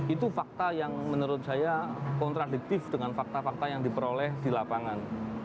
itu fakta yang menurut saya kontradiktif dengan fakta fakta yang diperoleh di lapangan